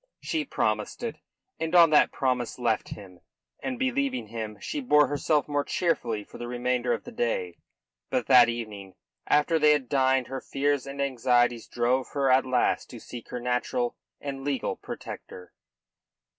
She promised it, and on that promise left him; and, believing him, she bore herself more cheerfully for the remainder of the day. But that evening after they had dined her fears and anxieties drove her at last to seek her natural and legal protector.